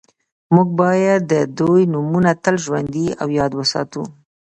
موږ باید د دوی نومونه تل ژوندي او یاد وساتو